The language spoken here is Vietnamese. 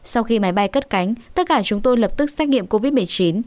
sau khi máy bay cất cánh tất cả chúng tôi lập tức xét nghiệm covid một mươi chín